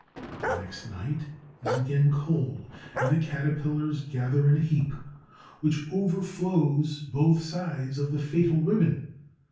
The next night is again cold, and the Caterpillars gather in a heap which overflows both sides of the fatal ribbon.